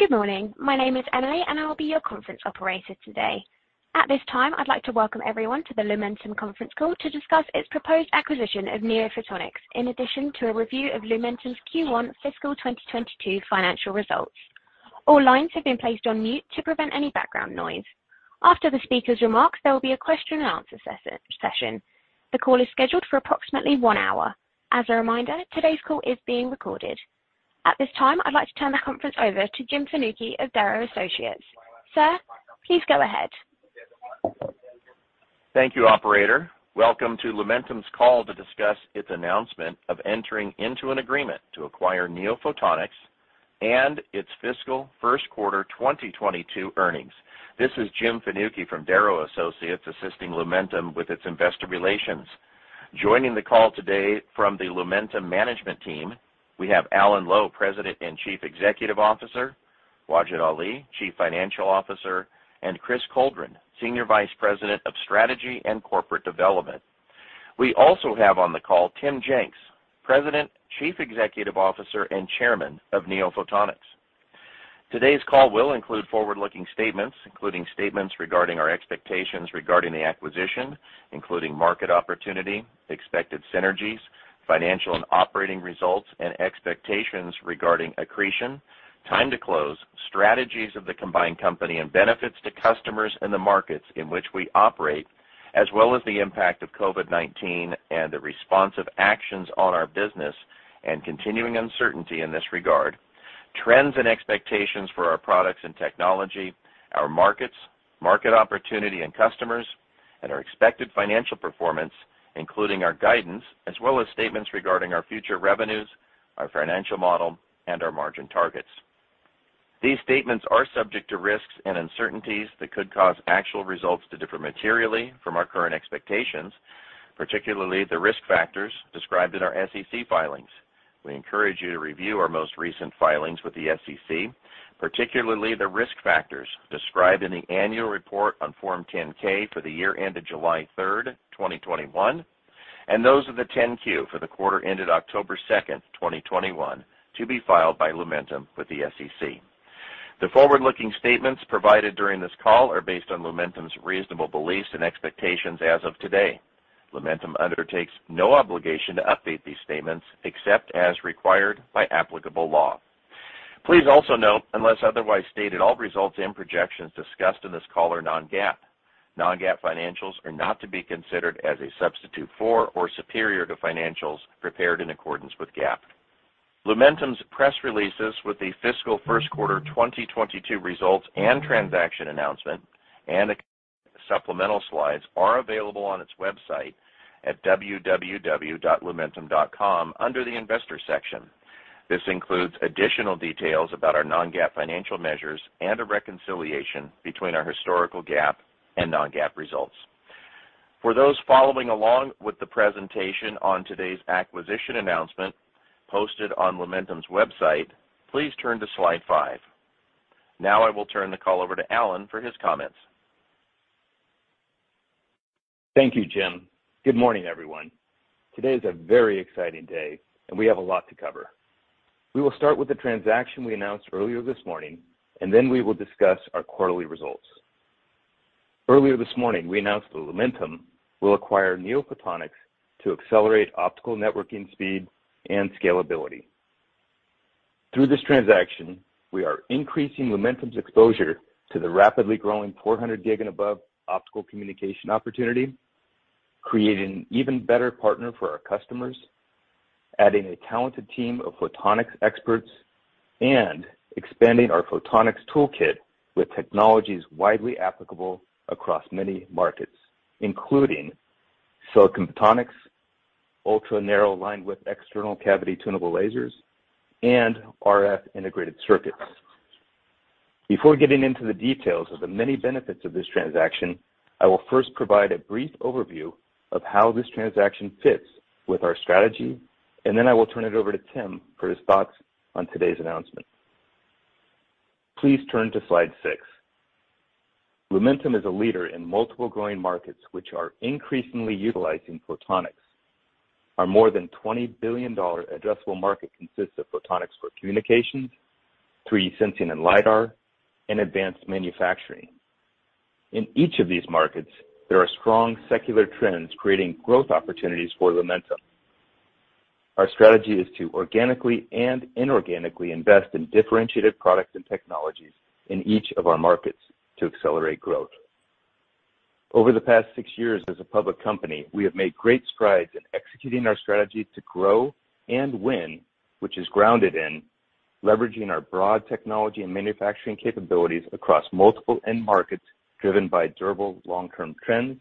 Good morning. My name is Emily, and I will be your conference operator today. At this time, I'd like to welcome everyone to the Lumentum conference call to discuss its proposed acquisition of NeoPhotonics, in addition to a review of Lumentum's Q1 fiscal 2022 financial results. All lines have been placed on mute to prevent any background noise. After the speaker's remarks, there will be a question and answer session. The call is scheduled for approximately one hour. As a reminder, today's call is being recorded. At this time, I'd like to turn the conference over to Jim Fanucchi of Darrow Associates. Sir, please go ahead. Thank you, operator. Welcome to Lumentum's call to discuss its announcement of entering into an agreement to acquire NeoPhotonics and its fiscal first quarter 2022 earnings. This is Jim Fanucchi from Darrow Associates, assisting Lumentum with its investor relations. Joining the call today from the Lumentum management team, we have Alan Lowe, President and Chief Executive Officer, Wajid Ali, Chief Financial Officer, and Chris Coldren, Senior Vice President of Strategy and Corporate Development. We also have on the call Tim Jenks, President, Chief Executive Officer, and Chairman of NeoPhotonics. Today's call will include forward-looking statements, including statements regarding our expectations regarding the acquisition, including market opportunity, expected synergies, financial and operating results, and expectations regarding accretion, time to close, strategies of the combined company, and benefits to customers in the markets in which we operate, as well as the impact of COVID-19 and the responsive actions on our business and continuing uncertainty in this regard, trends and expectations for our products and technology, our markets, market opportunity and customers, and our expected financial performance, including our guidance, as well as statements regarding our future revenues, our financial model, and our margin targets. These statements are subject to risks and uncertainties that could cause actual results to differ materially from our current expectations, particularly the risk factors described in our SEC filings. We encourage you to review our most recent filings with the SEC, particularly the risk factors described in the annual report on Form 10-K for the year ended July 3, 2021, and those of the 10-Q for the quarter ended October 2, 2021, to be filed by Lumentum with the SEC. The forward-looking statements provided during this call are based on Lumentum's reasonable beliefs and expectations as of today. Lumentum undertakes no obligation to update these statements except as required by applicable law. Please also note, unless otherwise stated, all results and projections discussed in this call are non-GAAP. Non-GAAP financials are not to be considered as a substitute for or superior to financials prepared in accordance with GAAP. Lumentum's press releases with the fiscal first quarter 2022 results and transaction announcement and supplemental slides are available on its website at www.lumentum.com under the Investor section. This includes additional details about our non-GAAP financial measures and a reconciliation between our historical GAAP and non-GAAP results. For those following along with the presentation on today's acquisition announcement posted on Lumentum's website, please turn to slide five. Now I will turn the call over to Alan for his comments. Thank you, Jim. Good morning, everyone. Today is a very exciting day, and we have a lot to cover. We will start with the transaction we announced earlier this morning, and then we will discuss our quarterly results. Earlier this morning, we announced that Lumentum will acquire NeoPhotonics to accelerate optical networking speed and scalability. Through this transaction, we are increasing Lumentum's exposure to the rapidly growing 400G and above optical communication opportunity, creating an even better partner for our customers, adding a talented team of photonics experts, and expanding our photonics toolkit with technologies widely applicable across many markets, including silicon photonics, ultra-narrow linewidth external cavity tunable lasers, and RF integrated circuits. Before getting into the details of the many benefits of this transaction, I will first provide a brief overview of how this transaction fits with our strategy, and then I will turn it over to Tim for his thoughts on today's announcement. Please turn to slide six. Lumentum is a leader in multiple growing markets which are increasingly utilizing photonics. Our more than $20 billion addressable market consists of photonics for communications, 3D sensing and LiDAR, and advanced manufacturing. In each of these markets, there are strong secular trends creating growth opportunities for Lumentum. Our strategy is to organically and inorganically invest in differentiated products and technologies in each of our markets to accelerate growth. Over the past six years as a public company, we have made great strides in executing our strategy to grow and win, which is grounded in leveraging our broad technology and manufacturing capabilities across multiple end markets driven by durable long-term trends,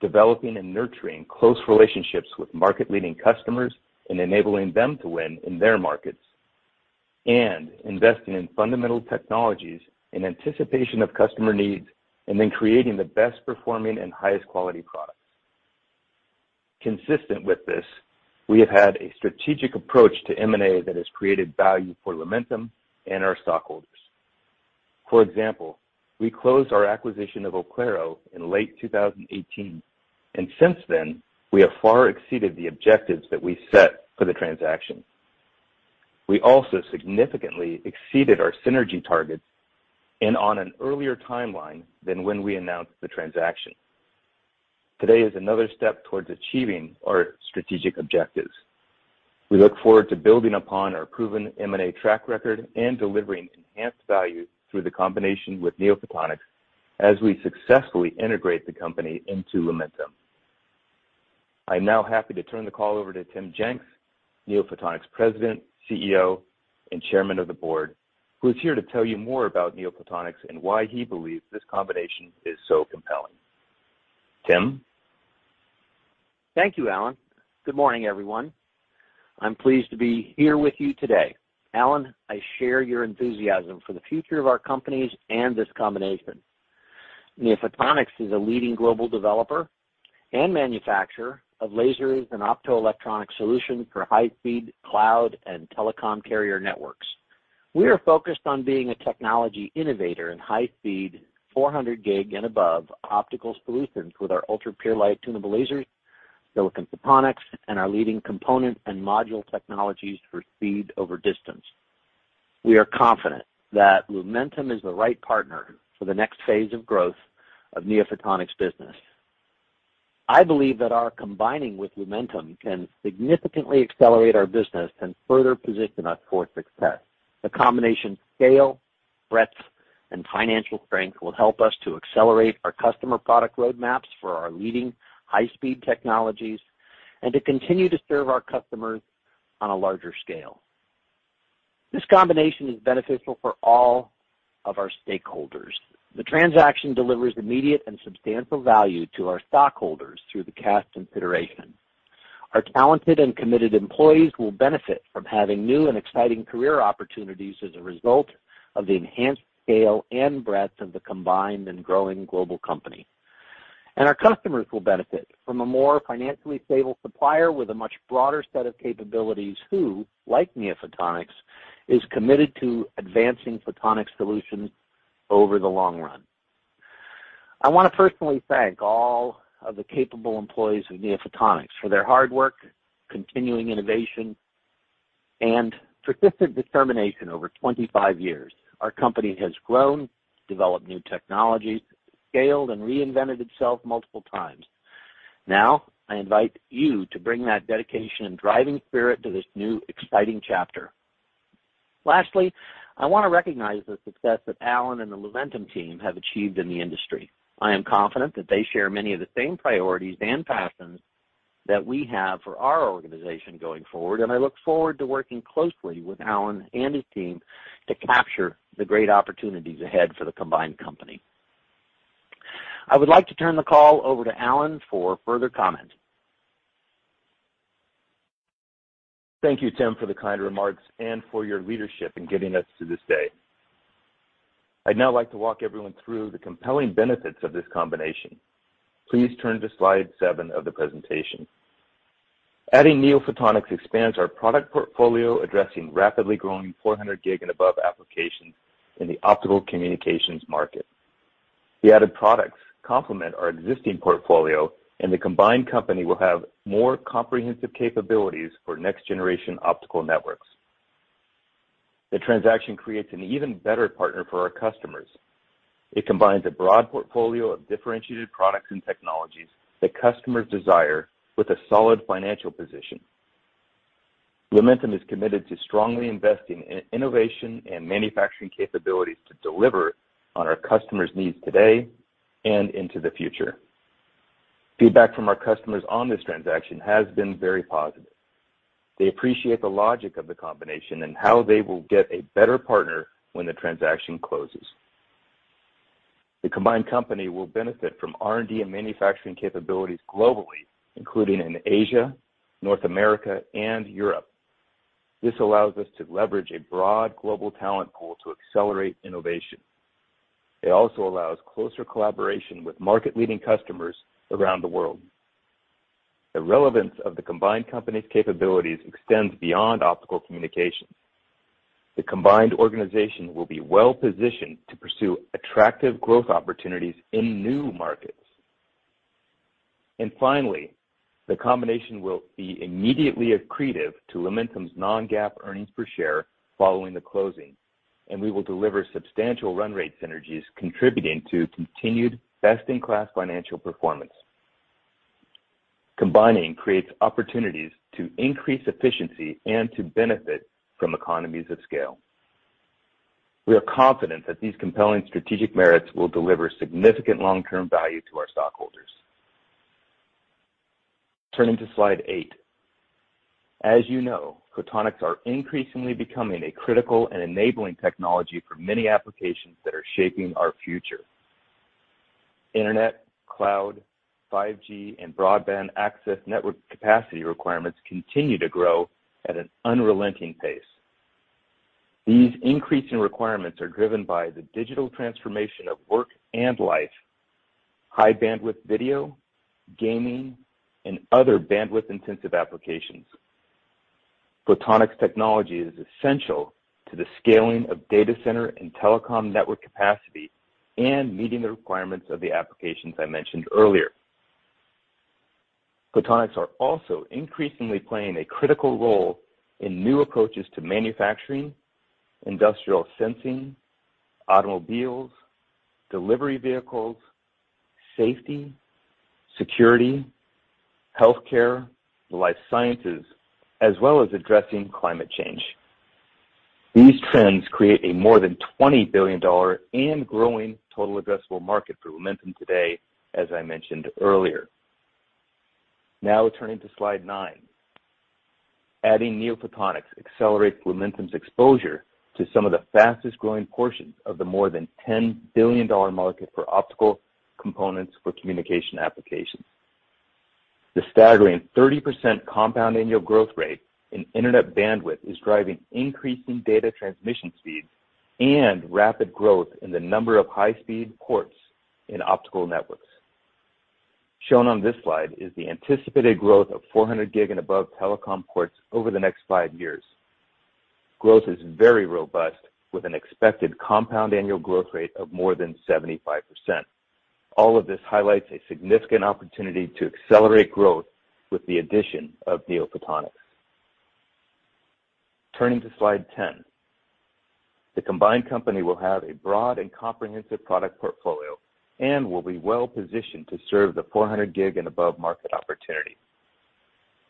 developing and nurturing close relationships with market-leading customers and enabling them to win in their markets, and investing in fundamental technologies in anticipation of customer needs and then creating the best performing and highest quality products. Consistent with this, we have had a strategic approach to M&A that has created value for Lumentum and our stockholders. For example, we closed our acquisition of Oclaro in late 2018, and since then, we have far exceeded the objectives that we set for the transaction. We also significantly exceeded our synergy targets and on an earlier timeline than when we announced the transaction. Today is another step towards achieving our strategic objectives. We look forward to building upon our proven M&A track record and delivering enhanced value through the combination with NeoPhotonics as we successfully integrate the company into Lumentum. I'm now happy to turn the call over to Tim Jenks, NeoPhotonics President, CEO, and Chairman of the Board, who is here to tell you more about NeoPhotonics and why he believes this combination is so compelling. Tim? Thank you, Alan. Good morning, everyone. I'm pleased to be here with you today. Alan, I share your enthusiasm for the future of our companies and this combination. NeoPhotonics is a leading global developer and manufacturer of lasers and optoelectronic solutions for high-speed cloud and telecom carrier networks. We are focused on being a technology innovator in high-speed 400G and above optical solutions with our UltraPureLight tunable lasers, silicon photonics, and our leading component and module technologies for speed over distance. We are confident that Lumentum is the right partner for the next phase of growth of NeoPhotonics business. I believe that our combining with Lumentum can significantly accelerate our business and further position us for success. The combination scale, breadth, and financial strength will help us to accelerate our customer product roadmaps for our leading high-speed technologies and to continue to serve our customers on a larger scale. This combination is beneficial for all of our stakeholders. The transaction delivers immediate and substantial value to our stockholders through the cash consideration. Our talented and committed employees will benefit from having new and exciting career opportunities as a result of the enhanced scale and breadth of the combined and growing global company. Our customers will benefit from a more financially stable supplier with a much broader set of capabilities who, like NeoPhotonics, is committed to advancing photonics solutions over the long run. I wanna personally thank all of the capable employees of NeoPhotonics for their hard work, continuing innovation, and persistent determination over 25 years. Our company has grown, developed new technologies, scaled, and reinvented itself multiple times. Now, I invite you to bring that dedication and driving spirit to this new exciting chapter. Lastly, I wanna recognize the success that Alan and the Lumentum team have achieved in the industry. I am confident that they share many of the same priorities and passions that we have for our organization going forward, and I look forward to working closely with Alan and his team to capture the great opportunities ahead for the combined company. I would like to turn the call over to Alan for further comment. Thank you, Tim, for the kind remarks and for your leadership in getting us to this day. I'd now like to walk everyone through the compelling benefits of this combination. Please turn to slide seven of the presentation. Adding NeoPhotonics expands our product portfolio, addressing rapidly growing 400G and above applications in the optical communications market. The added products complement our existing portfolio, and the combined company will have more comprehensive capabilities for next-generation optical networks. The transaction creates an even better partner for our customers. It combines a broad portfolio of differentiated products and technologies that customers desire with a solid financial position. Lumentum is committed to strongly investing in innovation and manufacturing capabilities to deliver on our customers' needs today and into the future. Feedback from our customers on this transaction has been very positive. They appreciate the logic of the combination and how they will get a better partner when the transaction closes. The combined company will benefit from R&D and manufacturing capabilities globally, including in Asia, North America, and Europe. This allows us to leverage a broad global talent pool to accelerate innovation. It also allows closer collaboration with market-leading customers around the world. The relevance of the combined company's capabilities extends beyond optical communications. The combined organization will be well-positioned to pursue attractive growth opportunities in new markets. Finally, the combination will be immediately accretive to Lumentum's non-GAAP earnings per share following the closing, and we will deliver substantial run rate synergies contributing to continued best-in-class financial performance. Combining creates opportunities to increase efficiency and to benefit from economies of scale. We are confident that these compelling strategic merits will deliver significant long-term value to our stockholders. Turning to slide eight. As you know, photonics are increasingly becoming a critical and enabling technology for many applications that are shaping our future. Internet, cloud, 5G, and broadband access network capacity requirements continue to grow at an unrelenting pace. These increasing requirements are driven by the digital transformation of work and life, high-bandwidth video, gaming, and other bandwidth-intensive applications. Photonics technology is essential to the scaling of data center and telecom network capacity and meeting the requirements of the applications I mentioned earlier. Photonics are also increasingly playing a critical role in new approaches to manufacturing, industrial sensing, automobiles, delivery vehicles, safety, security, healthcare, life sciences, as well as addressing climate change. These trends create a more than $20 billion and growing total addressable market for Lumentum today, as I mentioned earlier. Now turning to slide nine. Adding NeoPhotonics accelerates Lumentum's exposure to some of the fastest-growing portions of the more than $10 billion market for optical components for communication applications. The staggering 30% compound annual growth rate in internet bandwidth is driving increasing data transmission speeds and rapid growth in the number of high-speed ports in optical networks. Shown on this slide is the anticipated growth of 400G and above telecom ports over the next 5 years. Growth is very robust, with an expected compound annual growth rate of more than 75%. All of this highlights a significant opportunity to accelerate growth with the addition of NeoPhotonics. Turning to slide 10. The combined company will have a broad and comprehensive product portfolio and will be well-positioned to serve the 400G and above market opportunity.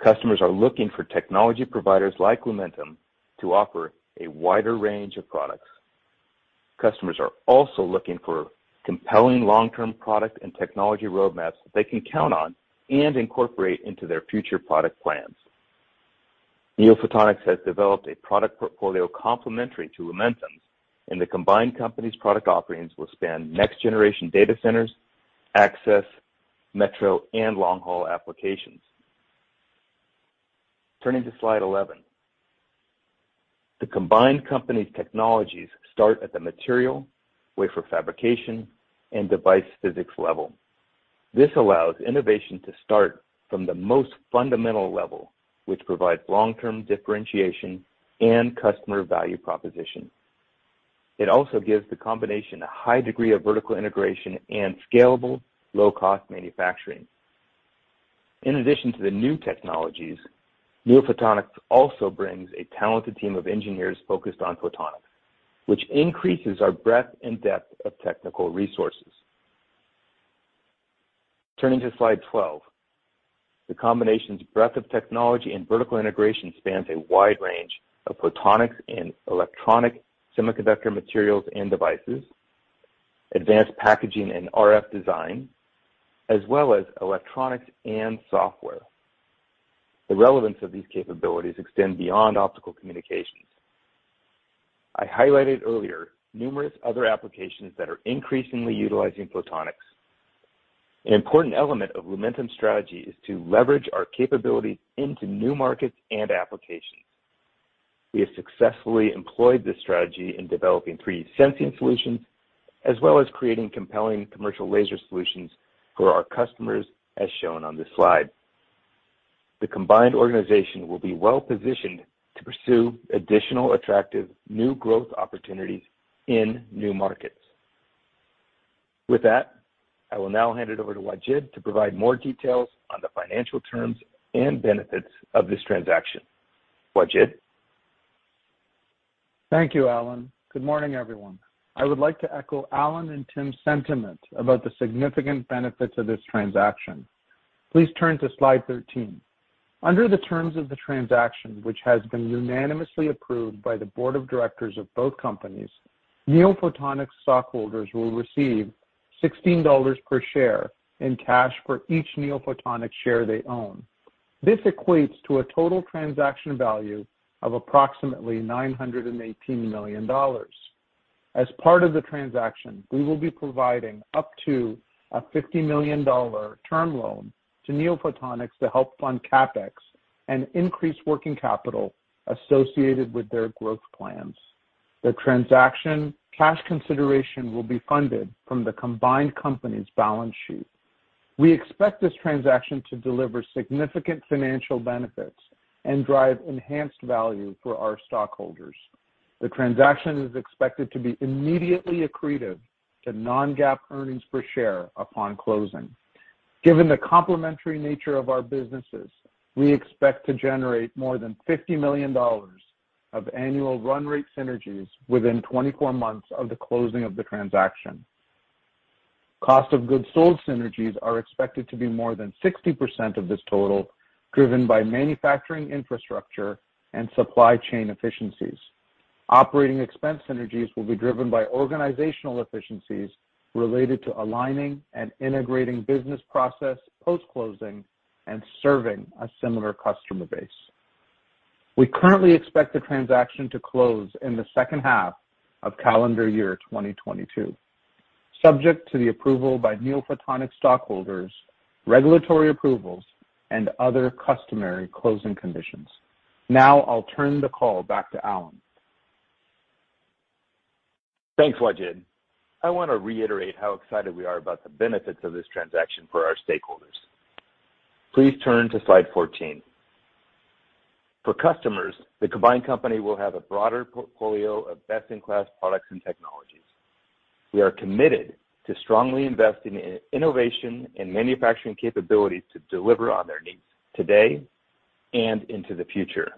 Customers are looking for technology providers like Lumentum to offer a wider range of products. Customers are also looking for compelling long-term product and technology roadmaps that they can count on and incorporate into their future product plans. NeoPhotonics has developed a product portfolio complementary to Lumentum's, and the combined company's product offerings will span next-generation data centers, access, metro, and long-haul applications. Turning to slide 11. The combined company's technologies start at the material, wafer fabrication, and device physics level. This allows innovation to start from the most fundamental level, which provides long-term differentiation and customer value proposition. It also gives the combination a high degree of vertical integration and scalable, low-cost manufacturing. In addition to the new technologies, NeoPhotonics also brings a talented team of engineers focused on photonics, which increases our breadth and depth of technical resources. Turning to slide 12. The combination's breadth of technology and vertical integration spans a wide range of photonics and electronic semiconductor materials and devices, advanced packaging and RF design, as well as electronics and software. The relevance of these capabilities extend beyond optical communications. I highlighted earlier numerous other applications that are increasingly utilizing photonics. An important element of Lumentum's strategy is to leverage our capabilities into new markets and applications. We have successfully employed this strategy in developing three sensing solutions, as well as creating compelling commercial laser solutions for our customers, as shown on this slide. The combined organization will be well-positioned to pursue additional attractive new growth opportunities in new markets. With that, I will now hand it over to Wajid to provide more details on the financial terms and benefits of this transaction. Wajid? Thank you, Alan. Good morning, everyone. I would like to echo Alan and Tim's sentiment about the significant benefits of this transaction. Please turn to slide 13. Under the terms of the transaction, which has been unanimously approved by the board of directors of both companies, NeoPhotonics stockholders will receive $16 per share in cash for each NeoPhotonics share they own. This equates to a total transaction value of approximately $918 million. As part of the transaction, we will be providing up to a $50 million term loan to NeoPhotonics to help fund CapEx and increase working capital associated with their growth plans. The transaction cash consideration will be funded from the combined company's balance sheet. We expect this transaction to deliver significant financial benefits and drive enhanced value for our stockholders. The transaction is expected to be immediately accretive to non-GAAP earnings per share upon closing. Given the complementary nature of our businesses, we expect to generate more than $50 million of annual run rate synergies within 24 months of the closing of the transaction. Cost of goods sold synergies are expected to be more than 60% of this total, driven by manufacturing infrastructure and supply chain efficiencies. Operating expense synergies will be driven by organizational efficiencies related to aligning and integrating business process post-closing and serving a similar customer base. We currently expect the transaction to close in the second half of calendar year 2022, subject to the approval by NeoPhotonics stockholders, regulatory approvals, and other customary closing conditions. Now I'll turn the call back to Alan. Thanks, Wajid. I wanna reiterate how excited we are about the benefits of this transaction for our stakeholders. Please turn to slide 14. For customers, the combined company will have a broader portfolio of best-in-class products and technologies. We are committed to strongly investing in innovation and manufacturing capabilities to deliver on their needs today and into the future.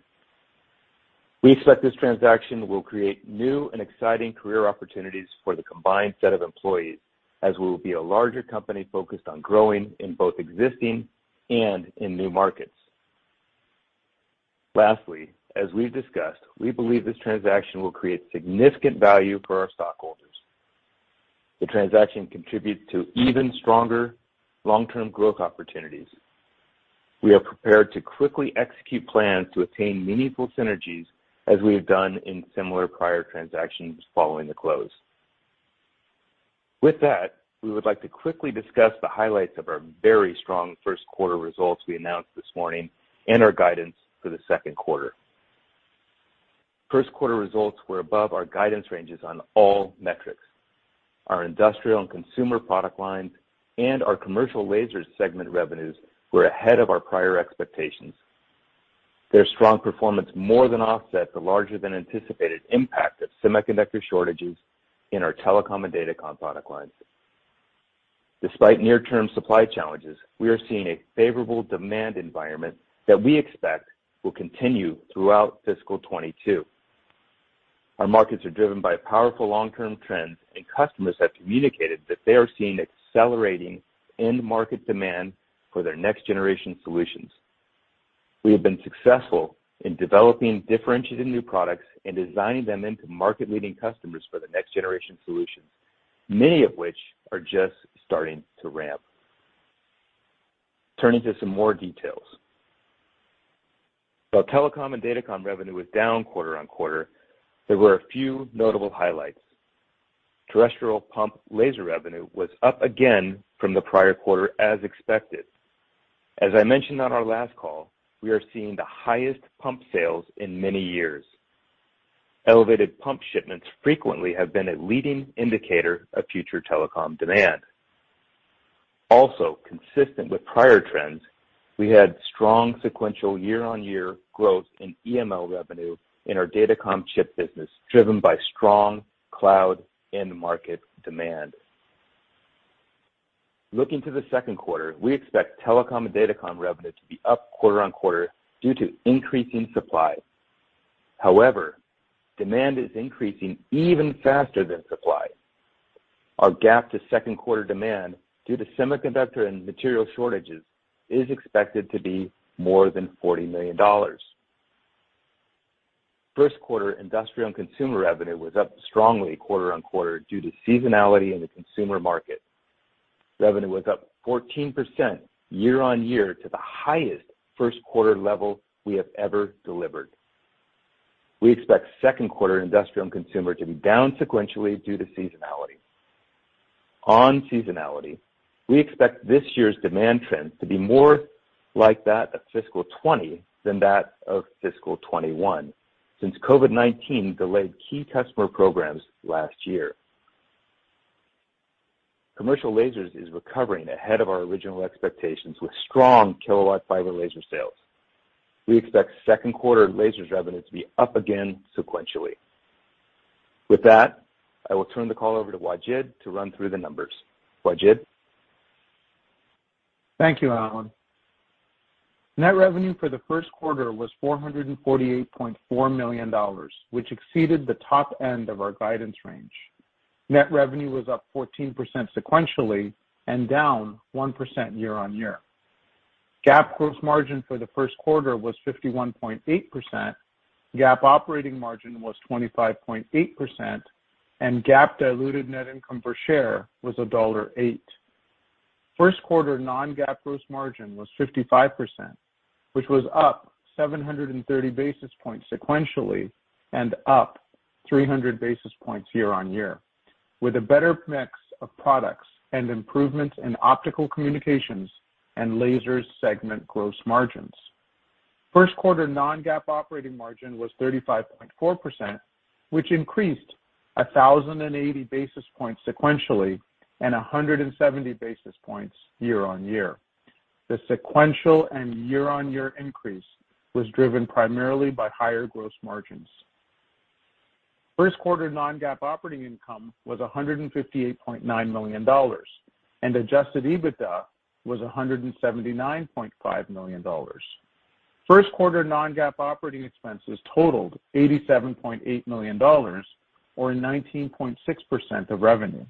We expect this transaction will create new and exciting career opportunities for the combined set of employees, as we will be a larger company focused on growing in both existing and in new markets. Lastly, as we've discussed, we believe this transaction will create significant value for our stockholders. The transaction contributes to even stronger long-term growth opportunities. We are prepared to quickly execute plans to attain meaningful synergies as we have done in similar prior transactions following the close. With that, we would like to quickly discuss the highlights of our very strong first quarter results we announced this morning and our guidance for the second quarter. First quarter results were above our guidance ranges on all metrics. Our industrial and consumer product lines and our commercial lasers segment revenues were ahead of our prior expectations. Their strong performance more than offset the larger than anticipated impact of semiconductor shortages in our telecom and datacom product lines. Despite near-term supply challenges, we are seeing a favorable demand environment that we expect will continue throughout fiscal 2022. Our markets are driven by powerful long-term trends, and customers have communicated that they are seeing accelerating end market demand for their next-generation solutions. We have been successful in developing differentiated new products and designing them into market-leading customers for the next-generation solutions, many of which are just starting to ramp. Turning to some more details. While telecom and datacom revenue was down quarter-over-quarter, there were a few notable highlights. Terrestrial pump laser revenue was up again from the prior quarter as expected. As I mentioned on our last call, we are seeing the highest pump sales in many years. Elevated pump shipments frequently have been a leading indicator of future telecom demand. Also, consistent with prior trends, we had strong sequential year-on-year growth in EML revenue in our datacom chip business, driven by strong cloud end market demand. Looking to the second quarter, we expect telecom and datacom revenue to be up quarter-over-quarter due to increasing supply. However, demand is increasing even faster than supply. Our gap to second quarter demand, due to semiconductor and material shortages, is expected to be more than $40 million. First quarter industrial and consumer revenue was up strongly quarter-on-quarter due to seasonality in the consumer market. Revenue was up 14% year-on-year to the highest first quarter level we have ever delivered. We expect second quarter industrial and consumer to be down sequentially due to seasonality. On seasonality, we expect this year's demand trends to be more like that of fiscal 2020 than that of fiscal 2021 since COVID-19 delayed key customer programs last year. Commercial lasers is recovering ahead of our original expectations with strong kilowatt fiber laser sales. We expect second quarter lasers revenue to be up again sequentially. With that, I will turn the call over to Wajid to run through the numbers. Wajid? Thank you, Alan. Net revenue for the first quarter was $448.4 million, which exceeded the top end of our guidance range. Net revenue was up 14% sequentially and down 1% year-over-year. GAAP gross margin for the first quarter was 51.8%, GAAP operating margin was 25.8%, and GAAP diluted net income per share was $1.08. First quarter non-GAAP gross margin was 55%, which was up 730 basis points sequentially and up 300 basis points year-over-year, with a better mix of products and improvements in optical communications and lasers segment gross margins. First quarter non-GAAP operating margin was 35.4%, which increased 1,080 basis points sequentially and 170 basis points year-over-year. The sequential and year-on-year increase was driven primarily by higher gross margins. First quarter non-GAAP operating income was $158.9 million, and adjusted EBITDA was $179.5 million. First quarter non-GAAP operating expenses totaled $87.8 million or 19.6% of revenue.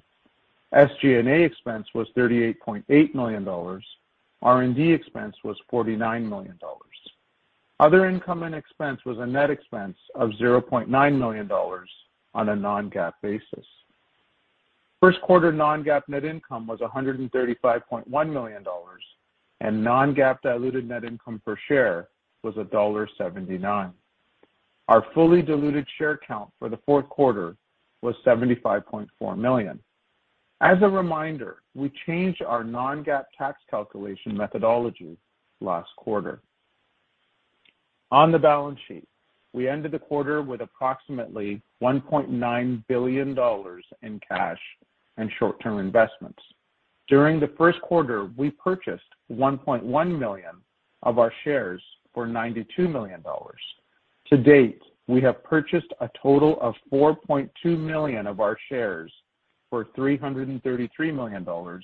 SG&A expense was $38.8 million. R&D expense was $49 million. Other income and expense was a net expense of $0.9 million on a non-GAAP basis. First quarter non-GAAP net income was $135.1 million, and non-GAAP diluted net income per share was $1.79. Our fully diluted share count for the fourth quarter was 75.4 million. As a reminder, we changed our non-GAAP tax calculation methodology last quarter. On the balance sheet, we ended the quarter with approximately $1.9 billion in cash and short-term investments. During the first quarter, we purchased 1.1 million of our shares for $92 million. To date, we have purchased a total of 4.2 million of our shares for $333 million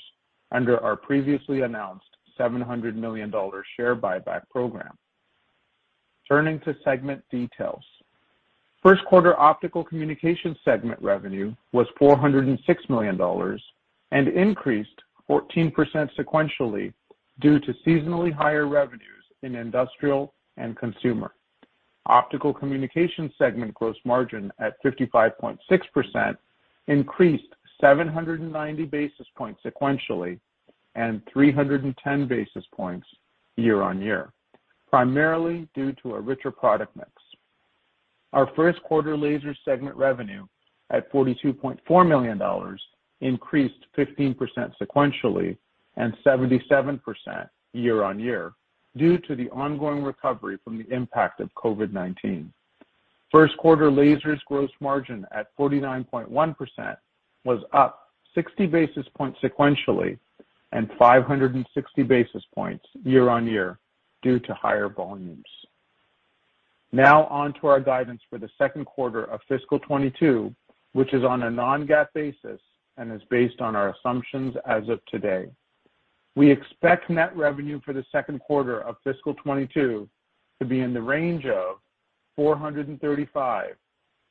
under our previously announced $700 million share buyback program. Turning to segment details. First quarter Optical Communications segment revenue was $406 million and increased 14% sequentially due to seasonally higher revenues in industrial and consumer. Optical Communications segment gross margin at 55.6% increased 790 basis points sequentially and 310 basis points year-on-year, primarily due to a richer product mix. Our first quarter Laser segment revenue at $42.4 million increased 15% sequentially and 77% year-over-year due to the ongoing recovery from the impact of COVID-19. First quarter Lasers gross margin at 49.1% was up 60 basis points sequentially and 560 basis points year-over-year due to higher volumes. Now on to our guidance for the second quarter of fiscal 2022, which is on a non-GAAP basis and is based on our assumptions as of today. We expect net revenue for the second quarter of fiscal 2022 to be in the range of $435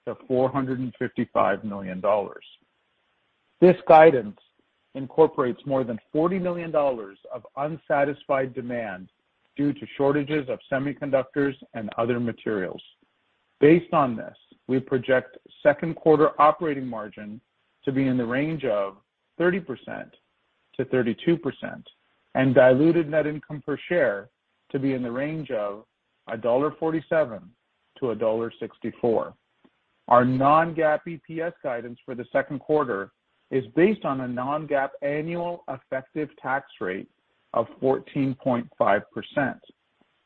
million-$455 million. This guidance incorporates more than $40 million of unsatisfied demand due to shortages of semiconductors and other materials. Based on this, we project second quarter operating margin to be in the range of 30%-32% and diluted net income per share to be in the range of $1.47-$1.64. Our non-GAAP EPS guidance for the second quarter is based on a non-GAAP annual effective tax rate of 14.5%,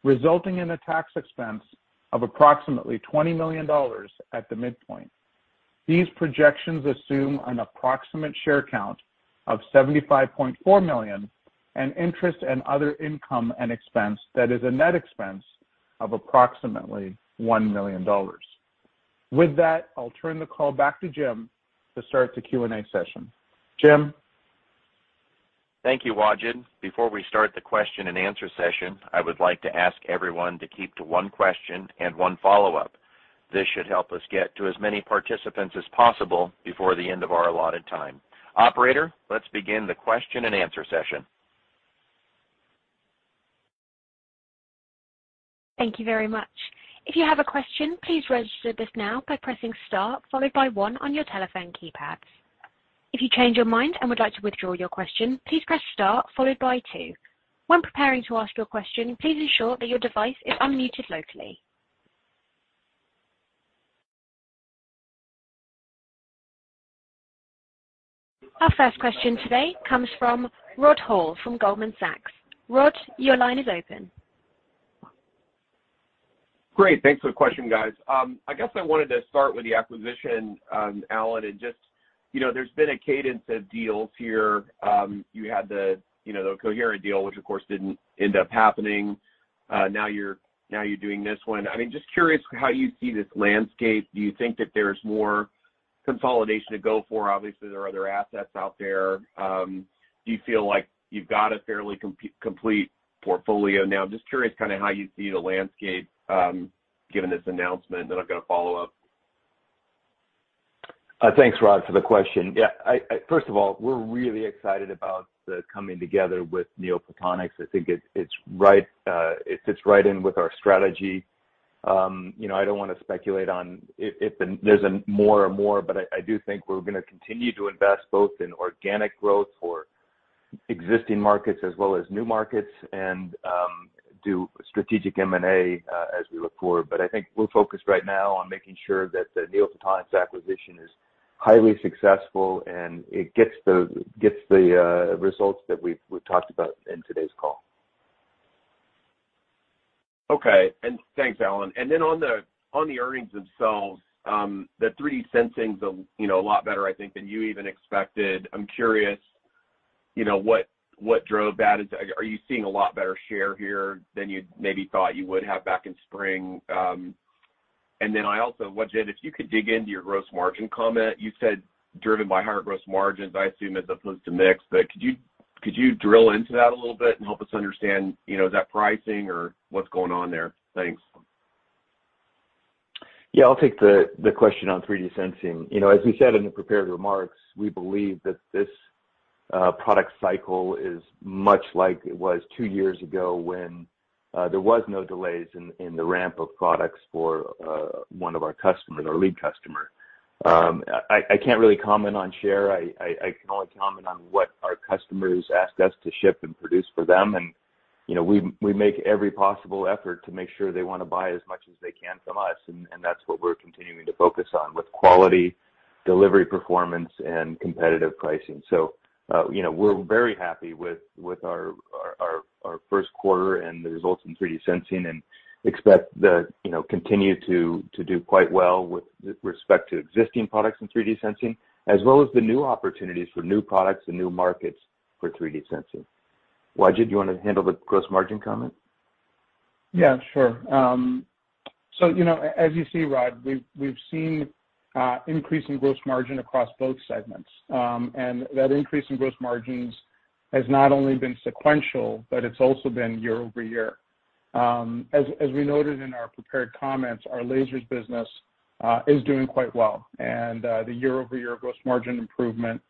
resulting in a tax expense of approximately $20 million at the midpoint. These projections assume an approximate share count of 75.4 million and interest and other income and expense that is a net expense of approximately $1 million. With that, I'll turn the call back to Jim to start the Q&A session. Jim? Thank you, Wajid. Before we start the question and answer session, I would like to ask everyone to keep to one question and one follow-up. This should help us get to as many participants as possible before the end of our allotted time. Operator, let's begin the question and answer session. Thank you very much. If you have a question, please register with us now by pressing star followed by one on your telephone keypads. If you change your mind and would like to withdraw your question, please press star followed by two. When preparing to ask your question, please ensure that your device is unmuted locally. Our first question today comes from Rod Hall from Goldman Sachs. Rod, your line is open. Great. Thanks for the question, guys. I guess I wanted to start with the acquisition, Alan, and just, you know, there's been a cadence of deals here. You had the, you know, the Coherent deal, which of course didn't end up happening. Now you're doing this one. I mean, just curious how you see this landscape. Do you think that there's more consolidation to go for? Obviously, there are other assets out there. Do you feel like you've got a fairly complete portfolio now? Just curious kinda how you see the landscape, given this announcement, then I've got a follow-up. Thanks, Rod, for the question. Yeah, first of all, we're really excited about the coming together with NeoPhotonics. I think it's right, it fits right in with our strategy. You know, I don't wanna speculate on if there's more, but I do think we're gonna continue to invest both in organic growth for existing markets as well as new markets and do strategic M&A as we look forward. But I think we're focused right now on making sure that the NeoPhotonics acquisition is highly successful and it gets the results that we've talked about in today's call. Okay. Thanks, Alan. Then on the earnings themselves, the 3D sensing's you know, a lot better, I think, than you even expected. I'm curious, you know, what drove that? Are you seeing a lot better share here than you maybe thought you would have back in spring? Then I also, Wajid, if you could dig into your gross margin comment. You said driven by higher gross margins, I assume, as opposed to mix. Could you drill into that a little bit and help us understand, you know, is that pricing or what's going on there? Thanks. Yeah, I'll take the question on 3D sensing. You know, as we said in the prepared remarks, we believe that this product cycle is much like it was two years ago when there was no delays in the ramp of products for one of our customers, our lead customer. I can't really comment on share. I can only comment on what our customers ask us to ship and produce for them. You know, we make every possible effort to make sure they wanna buy as much as they can from us, and that's what we're continuing to focus on with quality. Delivery performance and competitive pricing. You know, we're very happy with our first quarter and the results in 3D sensing and expect that continue to do quite well with respect to existing products in 3D sensing as well as the new opportunities for new products and new markets for 3D sensing. Wajid, do you wanna handle the gross margin comment? Yeah, sure. So, you know, as you see, Rod, we've seen increase in gross margin across both segments. That increase in gross margins has not only been sequential, but it's also been year-over-year. As we noted in our prepared comments, our lasers business is doing quite well. The year-over-year gross margin improvement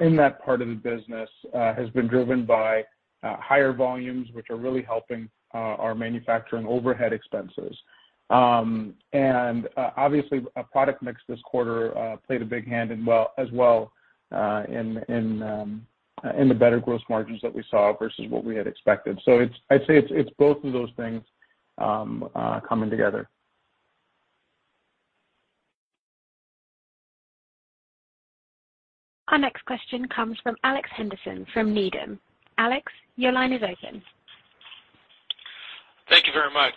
in that part of the business has been driven by higher volumes, which are really helping our manufacturing overhead expenses. Obviously, our product mix this quarter played a big hand as well in the better gross margins that we saw versus what we had expected. I'd say it's both of those things coming together. Our next question comes from Alex Henderson from Needham. Alex, your line is open. Thank you very much.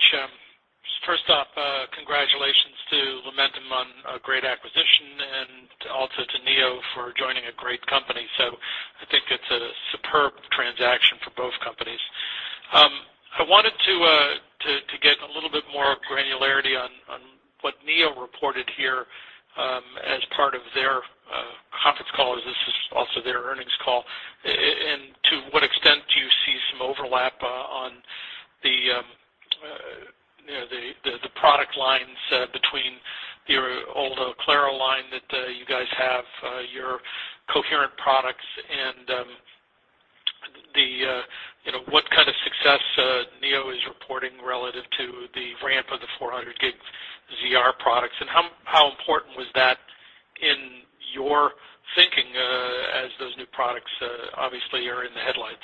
First off, congratulations to Lumentum on a great acquisition, and also to Neo for joining a great company. I think it's a superb transaction for both companies. I wanted to get a little bit more granularity on what Neo reported here as part of their conference call, as this is also their earnings call. And to what extent do you see some overlap on the, you know, the product lines between your older Oclaro line that you guys have, your coherent products and, you know, what kind of success Neo is reporting relative to the ramp of the 400G ZR products, and how important was that in your thinking as those new products obviously are in the headlights?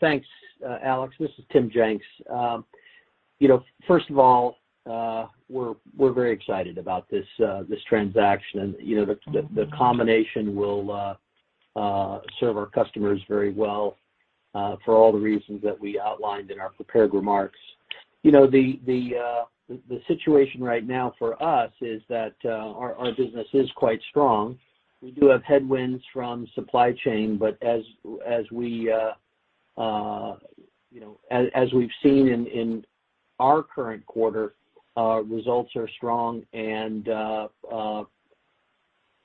Thanks, Alex. This is Tim Jenks. You know, first of all, we're very excited about this transaction. You know, the combination will serve our customers very well for all the reasons that we outlined in our prepared remarks. You know, the situation right now for us is that our business is quite strong. We do have headwinds from supply chain, but as we've seen in our current quarter, results are strong and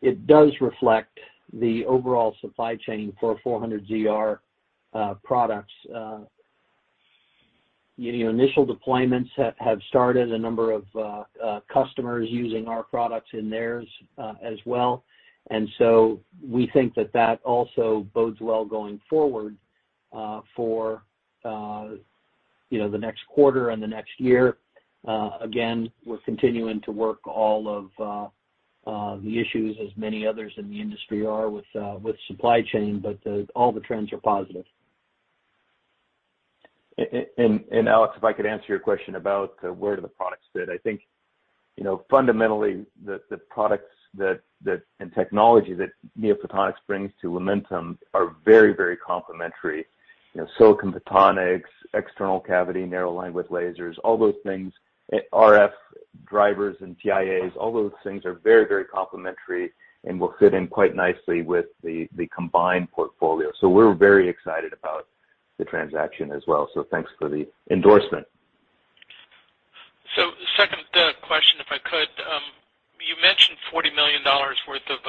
it does reflect the overall supply chain for 400ZR products. You know, initial deployments have started, a number of customers using our products in theirs as well. We think that also bodes well going forward, for, you know, the next quarter and the next year. Again, we're continuing to work all of the issues as many others in the industry are with supply chain, but all the trends are positive. Alex, if I could answer your question about where do the products fit. I think, fundamentally the products and technology that NeoPhotonics brings to Lumentum are very, very complementary. Silicon photonics, external cavity, narrow linewidth lasers, all those things, RF drivers and TIAs, all those things are very, very complementary and will fit in quite nicely with the combined portfolio. We're very excited about the transaction as well. Thanks for the endorsement. Second question, if I could. You mentioned $40 million worth of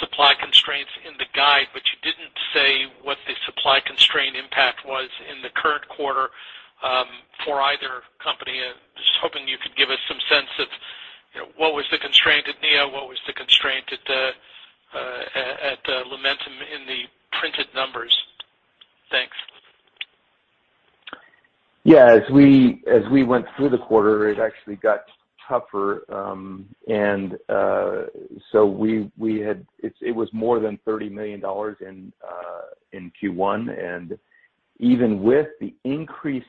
supply constraints in the guide, but you didn't say what the supply constraint impact was in the current quarter for either company. Just hoping you could give us some sense of, you know, what was the constraint at Neo, what was the constraint at Lumentum in the printed numbers? Thanks. Yeah. As we went through the quarter, it actually got tougher. It was more than $30 million in Q1. Even with the increased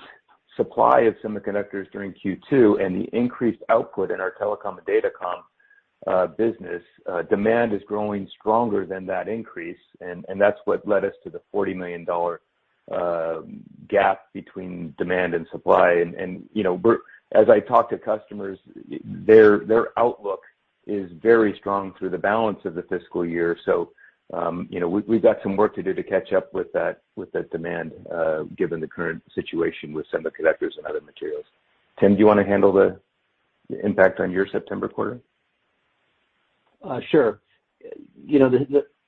supply of semiconductors during Q2 and the increased output in our telecom and datacom business, demand is growing stronger than that increase, and that's what led us to the $40 million gap between demand and supply. You know, as I talk to customers, their outlook is very strong through the balance of the fiscal year. You know, we've got some work to do to catch up with that demand, given the current situation with semiconductors and other materials. Tim, do you wanna handle the impact on your September quarter? Sure. You know,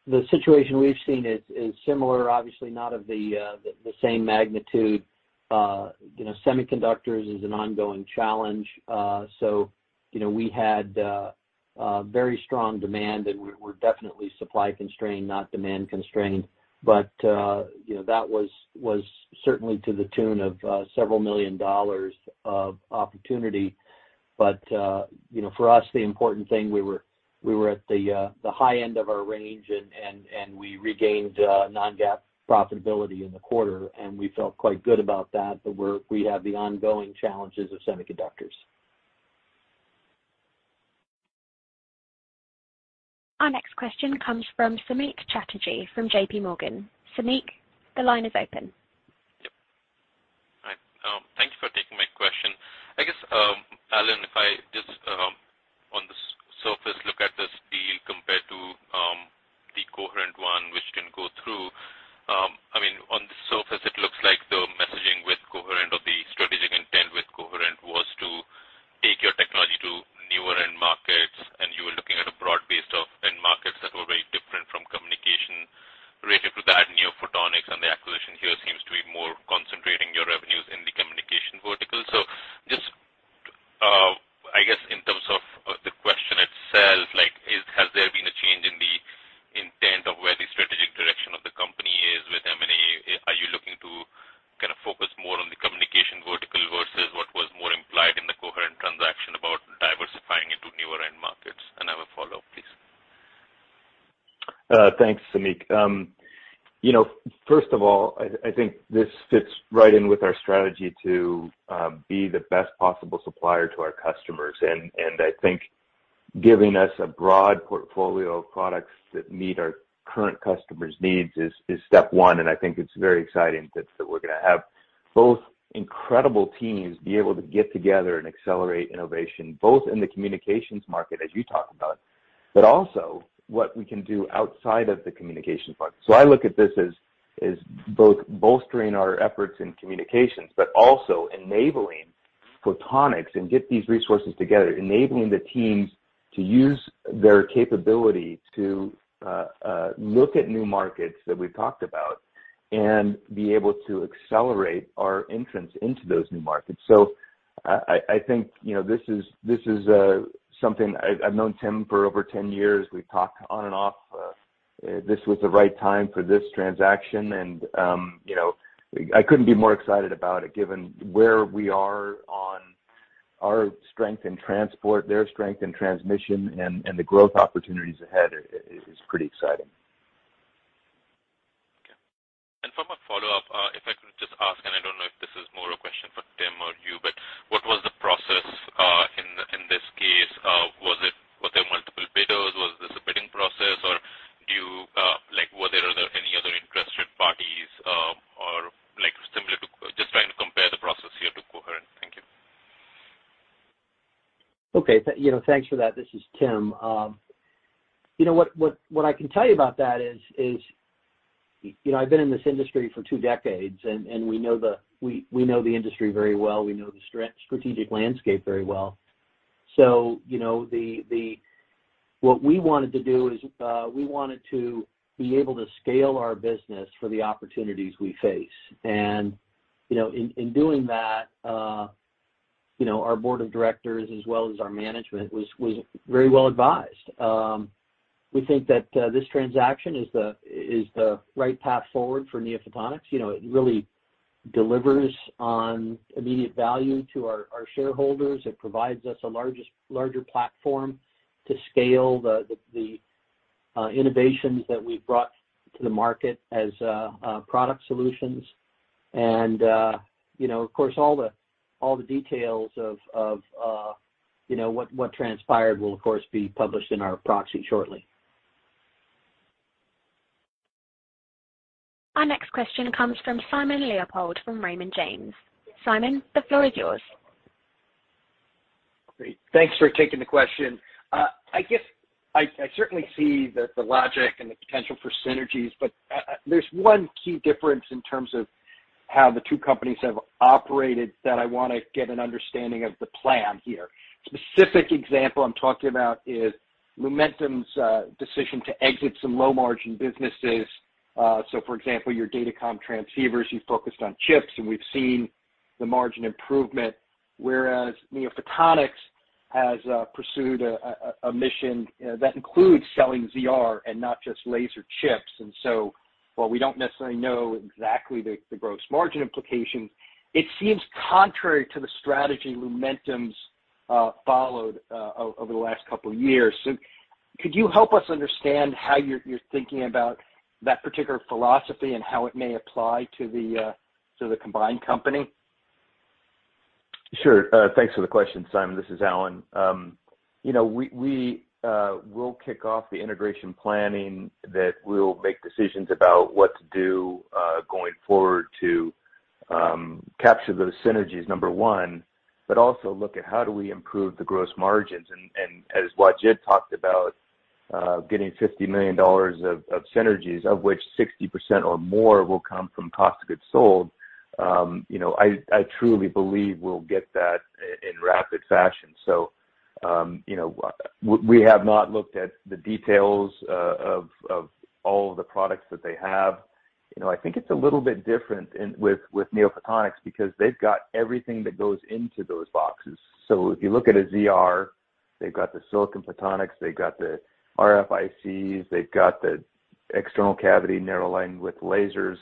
the situation we've seen is similar, obviously not of the same magnitude. You know, semiconductors is an ongoing challenge. You know, we had a very strong demand, and we're definitely supply constrained, not demand constrained. You know, that was certainly to the tune of several million of opportunity. You know, for us, the important thing, we were at the high end of our range and we regained non-GAAP profitability in the quarter, and we felt quite good about that, but we have the ongoing challenges of semiconductors. Our next question comes from Samik Chatterjee from JPMorgan. Samik, the line is open. Yep. Hi, thank you for taking my question. I guess, Alan, if I just, on the surface look at this deal compared to the Coherent one which can go through, I mean, on the surface it looks like the messaging with Coherent or the strategic intent with Coherent was to take your technology to newer end markets, and you were looking at a broad base of end markets that were very different from communications related to that NeoPhotonics, and the acquisition here seems to be more concentrating your revenues in the communications vertical. Just, I guess in terms of the question itself, like, has there been a change in the intent of where the strategic direction of the company is with M&A? Are you looking to kinda focus more on the communication vertical versus what was more implied in the coherent transaction about diversifying into newer end markets? I have a follow-up, please. Thanks, Samik. You know, first of all, I think this fits right in with our strategy to be the best possible supplier to our customers. I think giving us a broad portfolio of products that meet our current customers' needs is step one, and I think it's very exciting that we're gonna have both incredible teams be able to get together and accelerate innovation, both in the communications market as you talked about, but also what we can do outside of the communications part. I look at this as both bolstering our efforts in communications, but also enabling photonics and get these resources together, enabling the teams to use their capability to look at new markets that we've talked about and be able to accelerate our entrance into those new markets. I think this is something I've known Tim for over 10 years. We've talked on and off. This was the right time for this transaction and I couldn't be more excited about it given where we are on our strength in transport, their strength in transmission and the growth opportunities ahead is pretty exciting. Okay. For my follow-up, if I could just ask, and I don't know if this is more a question for Tim or you, but what was the process in this case? Were there multiple bidders? Was this a bidding process or do you like any other interested parties, or like similar to just trying to compare the process here to Coherent. Thank you. Okay. You know, thanks for that. This is Tim Jenks. You know, what I can tell you about that is, you know, I've been in this industry for two decades and we know the industry very well. We know the strategic landscape very well. You know, what we wanted to do is, we wanted to be able to scale our business for the opportunities we face. You know, in doing that, you know, our board of directors as well as our management was very well advised. We think that, this transaction is the right path forward for NeoPhotonics. You know, it really delivers on immediate value to our shareholders. It provides us a larger platform to scale the innovations that we've brought to the market as product solutions. You know, of course, all the details of you know what transpired will of course be published in our proxy shortly. Our next question comes from Simon Leopold from Raymond James. Simon, the floor is yours. Great. Thanks for taking the question. I guess I certainly see the logic and the potential for synergies, but there's one key difference in terms of how the two companies have operated that I wanna get an understanding of the plan here. Specific example I'm talking about is Lumentum's decision to exit some low-margin businesses. So for example, your datacom transceivers, you focused on chips, and we've seen the margin improvement, whereas NeoPhotonics has pursued a mission that includes selling ZR and not just laser chips. While we don't necessarily know exactly the gross margin implications, it seems contrary to the strategy Lumentum's followed over the last couple of years. Could you help us understand how you're thinking about that particular philosophy and how it may apply to the combined company? Sure. Thanks for the question, Simon. This is Alan. You know, we will kick off the integration planning that we'll make decisions about what to do going forward to capture those synergies, number one, but also look at how do we improve the gross margins. As Wajid talked about, getting $50 million of synergies, of which 60% or more will come from cost of goods sold, you know, I truly believe we'll get that in rapid fashion. You know, we have not looked at the details of all of the products that they have. You know, I think it's a little bit different with NeoPhotonics because they've got everything that goes into those boxes. If you look at a ZR, they've got the silicon photonics, they've got the RFICs, they've got the external cavity narrow linewidth lasers.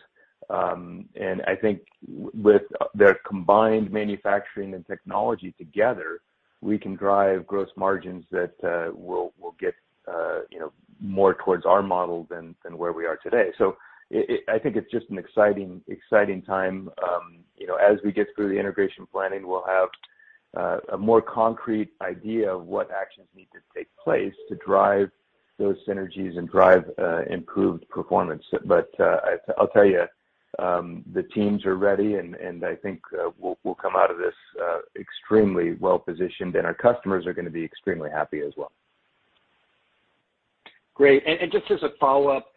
I think with their combined manufacturing and technology together, we can drive gross margins that will get you know, more towards our model than where we are today. It I think it's just an exciting time. You know, as we get through the integration planning, we'll have a more concrete idea of what actions need to take place to drive those synergies and drive improved performance. I'll tell you, the teams are ready and I think we'll come out of this extremely well-positioned, and our customers are gonna be extremely happy as well. Great. Just as a follow-up,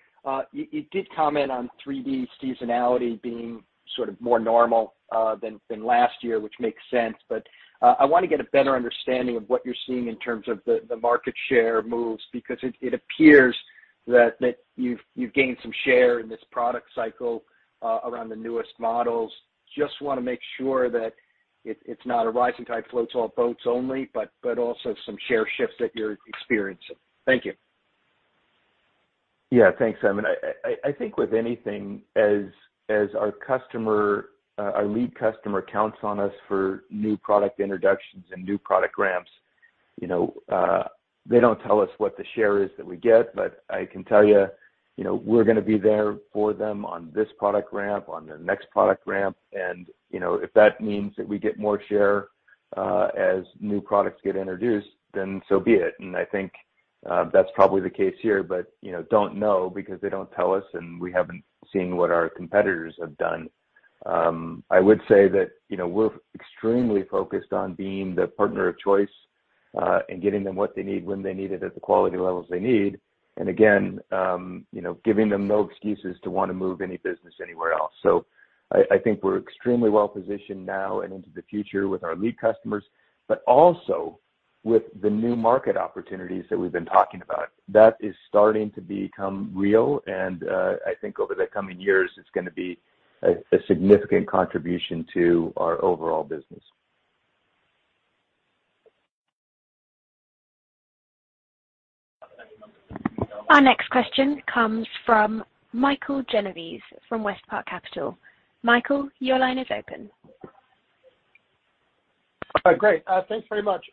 you did comment on 3D seasonality being sort of more normal than last year, which makes sense. I wanna get a better understanding of what you're seeing in terms of the market share moves because it appears that you've gained some share in this product cycle around the newest models. Just wanna make sure that it's not a rising tide floats all boats only, but also some share shifts that you're experiencing. Thank you. Yeah. Thanks, Simon. I think with anything as our customer, our lead customer counts on us for new product introductions and new product ramps, you know, they don't tell us what the share is that we get, but I can tell you know, we're gonna be there for them on this product ramp, on their next product ramp. You know, if that means that we get more share as new products get introduced, then so be it. I think that's probably the case here, but you know, don't know because they don't tell us, and we haven't seen what our competitors have done. I would say that you know, we're extremely focused on being the partner of choice and getting them what they need, when they need it at the quality levels they need. Again, you know, giving them no excuses to wanna move any business anywhere else. I think we're extremely well positioned now and into the future with our lead customers, but also with the new market opportunities that we've been talking about. That is starting to become real, and I think over the coming years, it's gonna be a significant contribution to our overall business. Our next question comes from Michael Genovese from WestPark Capital. Michael, your line is open. Great. Thanks very much.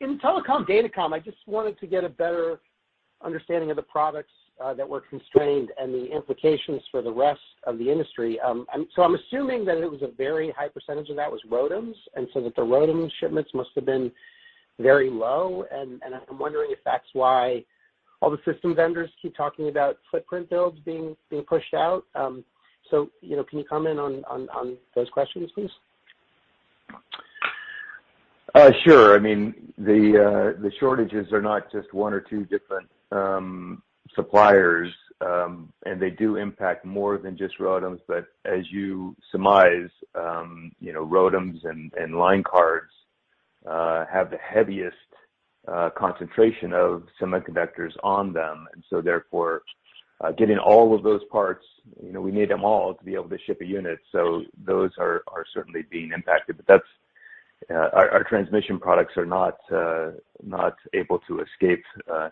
In telecom/datacom, I just wanted to get a better understanding of the products that were constrained and the implications for the rest of the industry. I'm assuming that it was a very high percentage of that was ROADMs, and so that the ROADMs shipments must have been very low. I'm wondering if that's why all the system vendors keep talking about footprint builds being pushed out. You know, can you comment on those questions, please? Sure. I mean, the shortages are not just one or two different suppliers, and they do impact more than just ROADMs. As you surmise, you know, ROADMs and line cards have the heaviest concentration of semiconductors on them. Therefore, getting all of those parts, you know, we need them all to be able to ship a unit. Those are certainly being impacted. That's our transmission products are not able to escape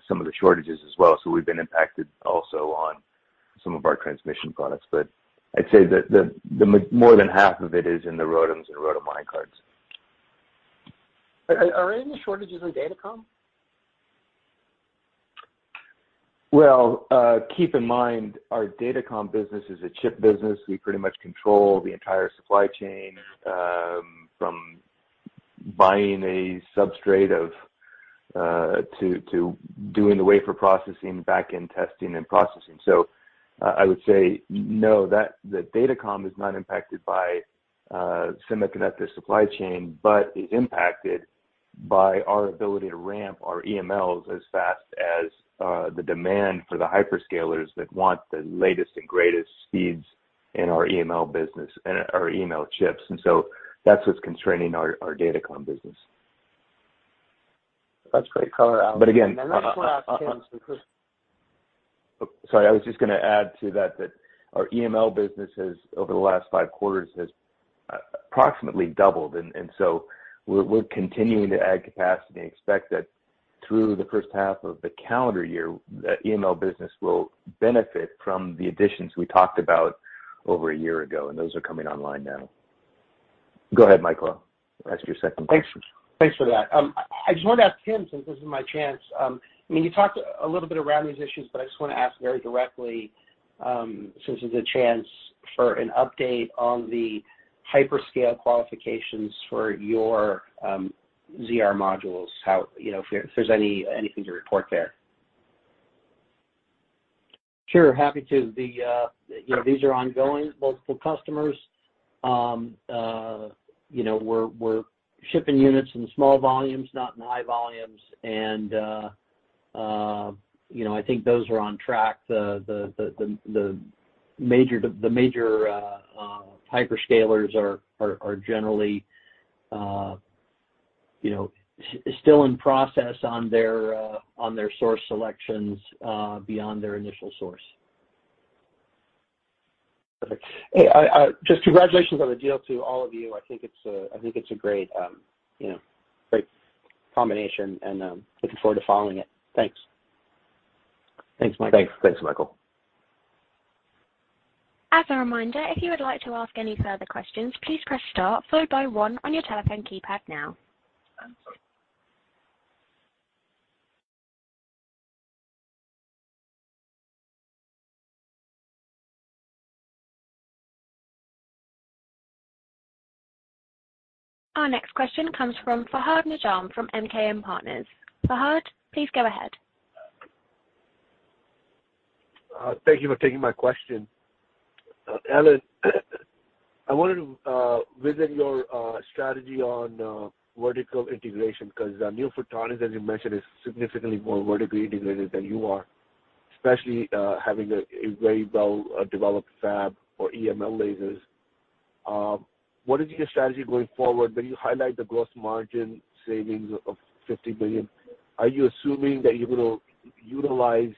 some of the shortages as well. We've been impacted also on some of our transmission products. I'd say that the more than half of it is in the ROADMs and ROADM line cards. Are any shortages in datacom? Well, keep in mind our datacom business is a chip business. We pretty much control the entire supply chain, from buying a substrate to doing the wafer processing, back-end testing and processing. I would say no, that the datacom is not impacted by semiconductor supply chain, but is impacted by our ability to ramp our EMLs as fast as the demand for the hyperscalers that want the latest and greatest speeds in our EML business and our EML chips. That's what's constraining our datacom business. That's great color. But again. I just wanna ask Tim, because. Sorry, I was just gonna add to that our EML business has over the last five quarters approximately doubled. We're continuing to add capacity and expect that through the first half of the calendar year, the EML business will benefit from the additions we talked about over a year ago, and those are coming online now. Go ahead, Michael. Ask your second question. Thanks for that. I just wanted to ask Tim, since this is my chance. I mean, you talked a little bit around these issues, but I just wanna ask very directly, since there's a chance for an update on the hyperscale qualifications for your 400ZR modules, how, you know, if there's anything to report there. Sure. Happy to. You know, these are ongoing, multiple customers. You know, we're shipping units in small volumes, not in high volumes. You know, I think those are on track. The major hyperscalers are generally, you know, still in process on their source selections beyond their initial source. Perfect. Hey, just congratulations on the deal to all of you. I think it's a great, you know, great combination and looking forward to following it. Thanks. Thanks, Michael. Thanks. Thanks, Michael. As a reminder, if you would like to ask any further questions, please press star followed by one on your telephone keypad now. Our next question comes from Fahad Najam from MKM Partners. Fahad, please go ahead. Thank you for taking my question. Alan, I wanted to visit your strategy on vertical integration because NeoPhotonics, as you mentioned, is significantly more vertically integrated than you are, especially having a very well developed fab for EML lasers. What is your strategy going forward when you highlight the gross margin savings of $50 million? Are you assuming that you're gonna utilize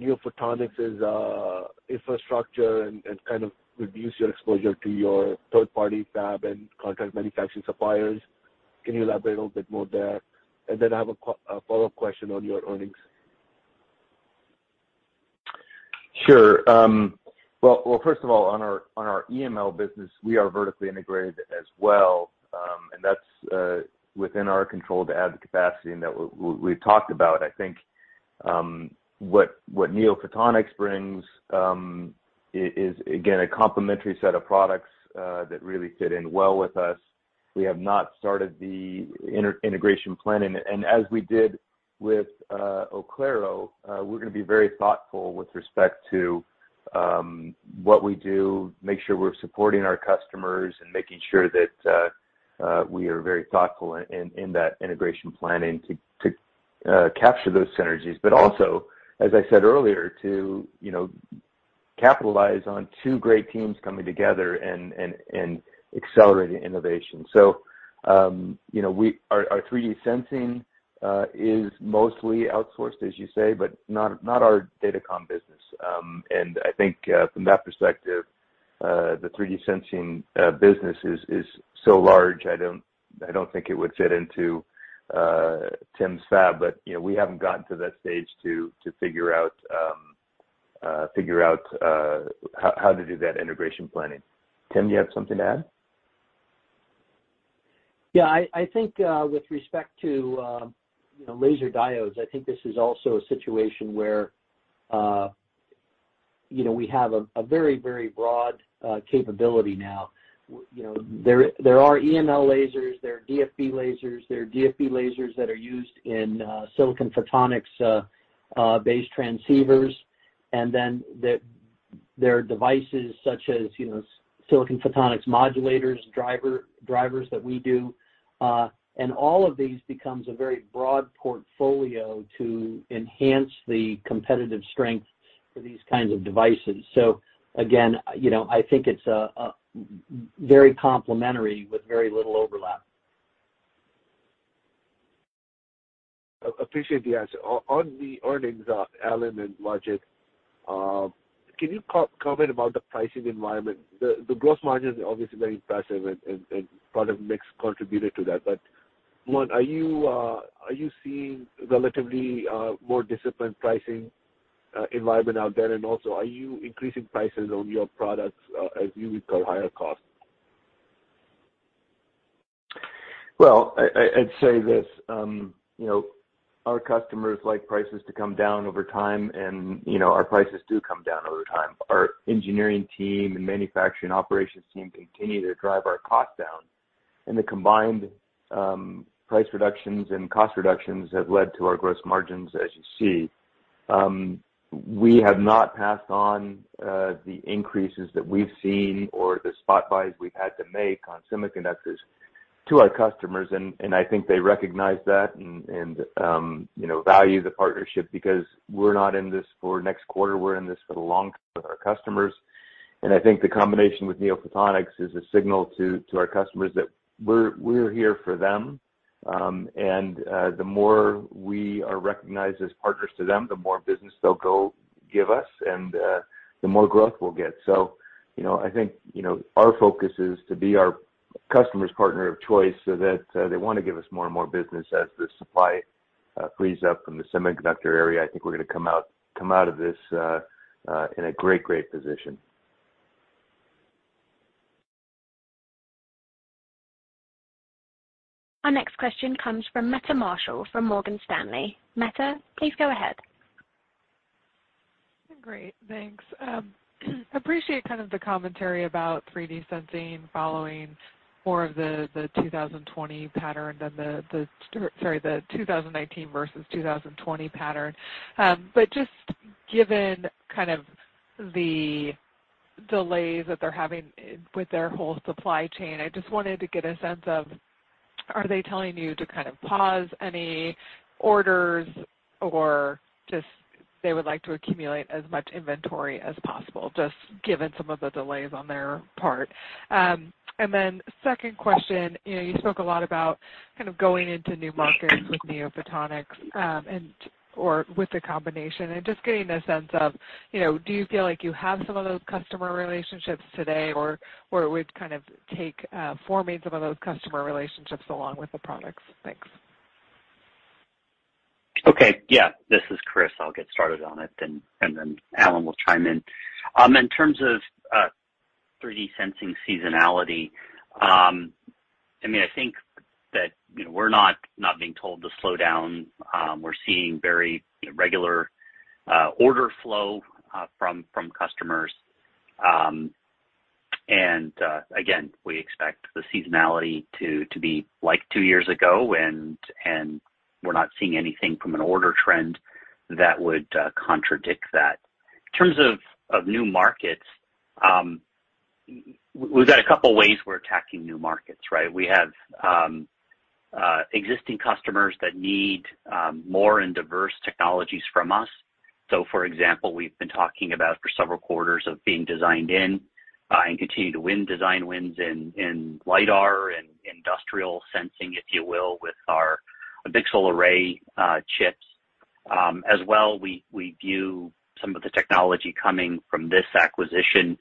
NeoPhotonics's infrastructure and kind of reduce your exposure to your third-party fab and contract manufacturing suppliers? Can you elaborate a little bit more there? Then I have a follow question on your earnings. Sure. Well, first of all, on our EML business, we are vertically integrated as well, and that's within our control to add the capacity, and that we've talked about. I think what NeoPhotonics brings is, again, a complementary set of products that really fit in well with us. We have not started the integration planning. As we did with Oclaro, we're gonna be very thoughtful with respect to what we do, make sure we're supporting our customers and making sure that we are very thoughtful in that integration planning to capture those synergies. Also, as I said earlier, to you know capitalize on two great teams coming together and accelerating innovation. You know, our 3D sensing is mostly outsourced, as you say, but not our datacom business. I think, from that perspective, the 3D sensing business is so large, I don't think it would fit into Tim's fab. You know, we haven't gotten to that stage to figure out how to do that integration planning. Tim, you have something to add? Yeah. I think with respect to you know laser diodes, I think this is also a situation where you know we have a very broad capability now. You know there are EML lasers, there are DFB lasers, there are DFB lasers that are used in silicon photonics based transceivers, and then there are devices such as you know silicon photonics modulators drivers that we do. All of these becomes a very broad portfolio to enhance the competitive strength for these kinds of devices. Again you know I think it's a very complementary with very little overlap. Appreciate the answer. On the earnings, Alan and Wajid, can you comment about the pricing environment? The gross margin is obviously very impressive and product mix contributed to that. One, are you seeing relatively more disciplined pricing environment out there? Also, are you increasing prices on your products as you incur higher costs? I'd say this, you know, our customers like prices to come down over time, and, you know, our prices do come down over time. Our engineering team and manufacturing operations team continue to drive our cost down, and the combined price reductions and cost reductions have led to our gross margins, as you see. We have not passed on the increases that we've seen or the spot buys we've had to make on semiconductors to our customers, and I think they recognize that and, you know, value the partnership because we're not in this for next quarter, we're in this for the long term with our customers. I think the combination with NeoPhotonics is a signal to our customers that we're here for them. The more we are recognized as partners to them, the more business they'll go give us, and the more growth we'll get. You know, I think, you know, our focus is to be our customers' partner of choice so that they wanna give us more and more business as the supply frees up from the semiconductor area. I think we're gonna come out of this in a great position. Our next question comes from Meta Marshall from Morgan Stanley. Meta, please go ahead. Great. Thanks. I appreciate kind of the commentary about 3D sensing following more of the 2020 pattern than the 2019 versus 2020 pattern. But just given kind of the delays that they're having with their whole supply chain, I just wanted to get a sense of, are they telling you to kind of pause any orders or just they would like to accumulate as much inventory as possible, just given some of the delays on their part? Second question, you know, you spoke a lot about kind of going into new markets with NeoPhotonics, or with the combination and just getting a sense of, you know, do you feel like you have some of those customer relationships today, or it would kind of take forming some of those customer relationships along with the products? Thanks. Okay. Yeah. This is Chris. I'll get started on it then, and then Alan will chime in. In terms of 3D sensing seasonality, I mean, I think that, you know, we're not being told to slow down. We're seeing very regular order flow from customers. Again, we expect the seasonality to be like two years ago, and we're not seeing anything from an order trend that would contradict that. In terms of new markets, we've got a couple ways we're attacking new markets, right? We have existing customers that need more and diverse technologies from us. For example, we've been talking about, for several quarters, being designed in and continue to win design wins in LiDAR and industrial sensing, if you will, with our pixel array chips. As well, we view some of the technology coming from this acquisition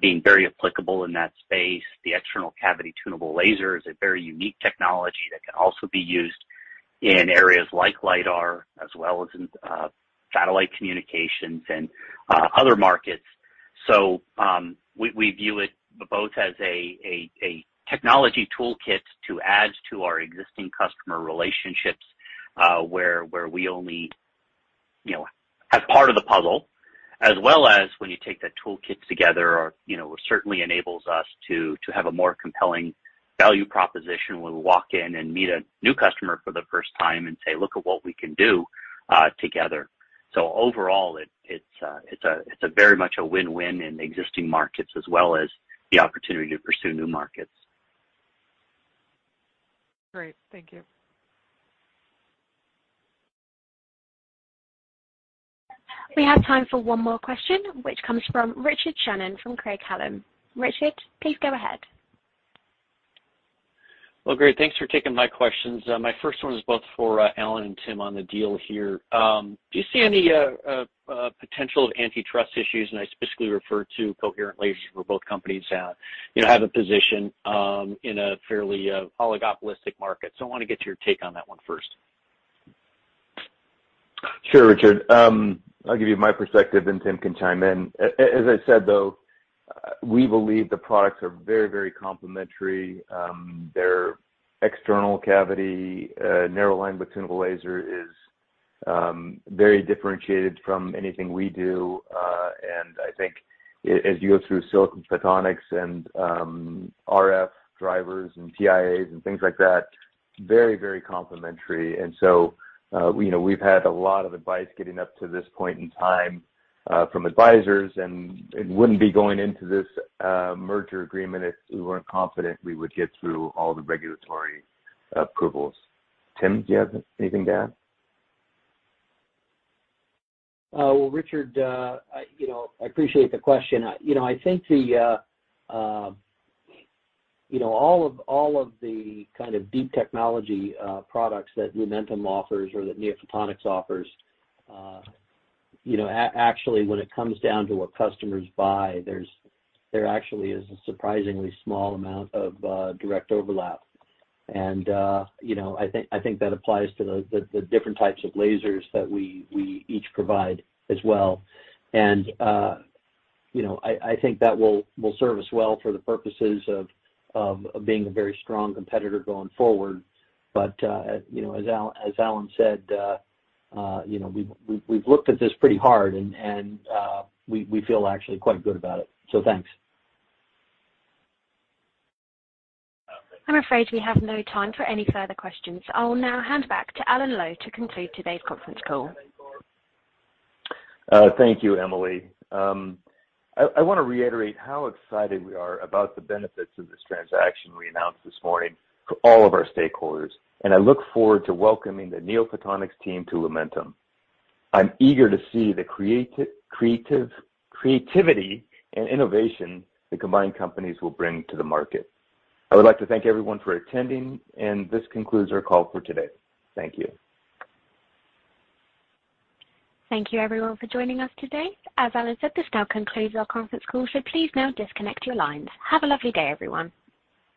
being very applicable in that space. The external cavity tunable laser is a very unique technology that can also be used in areas like LiDAR as well as in satellite communications and other markets. We view it both as a technology toolkit to add to our existing customer relationships where we only you know as part of the puzzle as well as when you take that toolkit together or you know certainly enables us to have a more compelling value proposition when we walk in and meet a new customer for the first time and say, "Look at what we can do together." Overall it's very much a win-win in existing markets as well as the opportunity to pursue new markets. Great. Thank you. We have time for one more question, which comes from Richard Shannon from Craig-Hallum. Richard, please go ahead. Well, great. Thanks for taking my questions. My first one is both for Alan and Tim on the deal here. Do you see any potential of antitrust issues? I specifically refer to coherent lasers for both companies that, you know, have a position in a fairly oligopolistic market. I wanna get your take on that one first. Sure, Richard. I'll give you my perspective, and Tim can chime in. As I said, though, we believe the products are very, very complementary. Their external cavity narrow linewidth tunable laser is very differentiated from anything we do. I think as you go through silicon photonics and RF drivers and TIAs and things like that, very, very complementary. You know, we've had a lot of advice getting up to this point in time from advisors, and we wouldn't be going into this merger agreement if we weren't confident we would get through all the regulatory approvals. Tim, do you have anything to add? Well, Richard, you know, I appreciate the question. You know, I think the, you know, all of the kind of deep technology products that Lumentum offers or that NeoPhotonics offers, you know, actually, when it comes down to what customers buy, there actually is a surprisingly small amount of direct overlap. You know, I think that applies to the different types of lasers that we each provide as well. You know, I think that will serve us well for the purposes of being a very strong competitor going forward. You know, as Alan said, you know, we've looked at this pretty hard and we feel actually quite good about it. Thanks. I'm afraid we have no time for any further questions. I'll now hand back to Alan Lowe to conclude today's conference call. Thank you, Emily. I wanna reiterate how excited we are about the benefits of this transaction we announced this morning for all of our stakeholders, and I look forward to welcoming the NeoPhotonics team to Lumentum. I'm eager to see the creativity and innovation the combined companies will bring to the market. I would like to thank everyone for attending, and this concludes our call for today. Thank you. Thank you everyone for joining us today. As Alan said, this now concludes our conference call, so please now disconnect your lines. Have a lovely day, everyone.